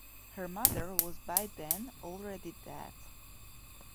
Her mother was by then already dead.